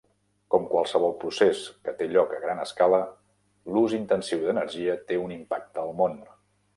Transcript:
Com qualsevol procés que té lloc a gran escala, l'ús intensiu d'energia té un impacte al món.